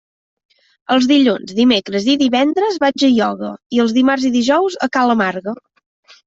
Els dilluns, dimecres i divendres vaig a ioga i els dimarts i dijous a ca la Marga.